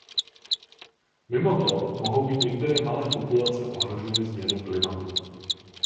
Mimo to mohou být některé malé populace ohroženy změnou klimatu.